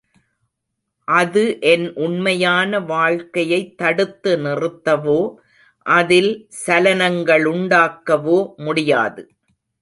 அது என் உண்மையான வாழ்க்கையைத் தடுத்து நிறுத்தவோ அதில் சலனங்களுண்டாக்கவோ முடியாது.